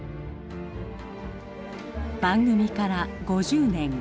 番組から５０年。